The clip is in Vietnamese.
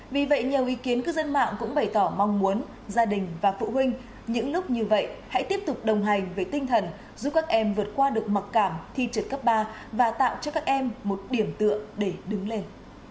vì vậy nhiều ý kiến cư dân mạng cũng bày tỏ mong muốn gia đình và phụ huynh những lúc như vậy hãy tiếp tục đồng hành với tinh thần giúp các em vượt qua được mặc cảm thi trượt cấp ba và tạo cho các em một điểm tựa để đứng lên